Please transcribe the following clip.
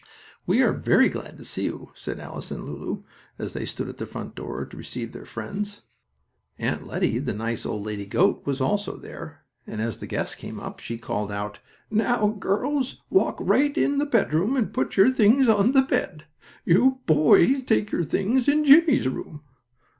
"We are very glad to see you," said Alice and Lulu, as they stood at the front door to receive their friends. Aunt Lettie, the nice old lady goat, was also there, and as the guests came up, she called out: "Now, girls, walk right in the bedroom and put your things on the bed. You boys take your things in Jimmie's room."